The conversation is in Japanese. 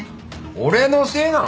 俺のせいなの！？